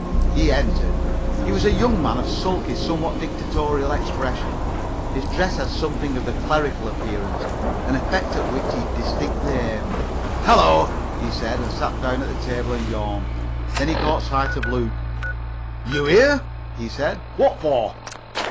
He entered. He was a young man of sulky, somewhat dictatorial expression. His dress had something of the clerical appearance, an effect at which he distinctly aimed. "Hallo," he said, and sat down on the table and yawned. Then he caught sight of Luke. "You here?" he said. "What for?"